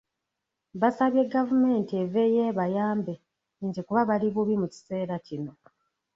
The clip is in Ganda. Basabye gavumenti eveeyo ebayambe nti kuba bali bubi mu kiseera kino.